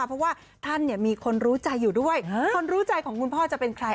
เพราะว่าท่านเนี่ยมีคนรู้ใจอยู่ด้วยคนรู้ใจของคุณพ่อจะเป็นใคร